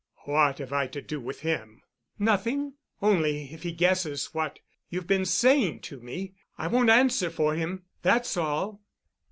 "What have I to do with him?" "Nothing—only if he guesses what you've been saying to me, I won't answer for him. That's all."